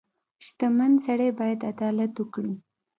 • شتمن سړی باید عدالت وکړي.